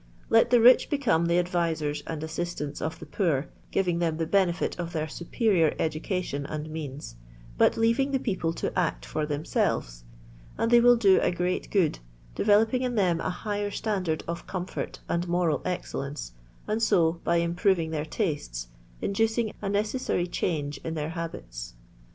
Let the rich become the advisers and assistants of the poor, giving them the benefit of their superior education and means — ^but leaving the people to act for themHlvet — and they will do a great good, developing in them a higher standard of comfort and moral excellence, and so, by im proving their tastes, inducing a necessary change in their habits.